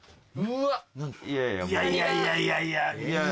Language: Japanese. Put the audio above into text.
いやいやいやいやいや。